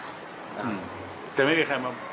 อืมแต่ไม่มีใครมา